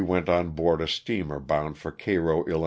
99 went on board a steamer bound for Cairo, 111.